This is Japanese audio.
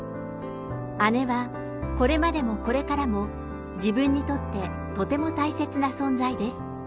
姉は、これまでもこれからも、自分にとってとても大切な存在です。